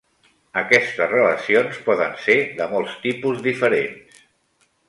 Aquestes relacions poden ser de molts tipus diferents.